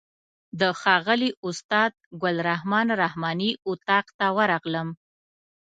د ښاغلي استاد ګل رحمن رحماني اتاق ته ورغلم.